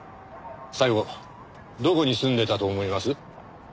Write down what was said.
最後どこに住んでたと思います？